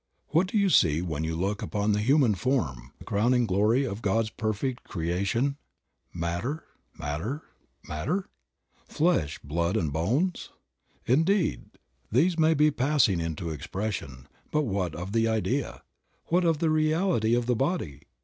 Wliat do you see when you look upon the human form, the crowning glory of God's perfect creation? Matter, matter, matter? Flesh, blood and bones? Indeed, these may be passing into expression, but what of the idea, what of the reality of the body?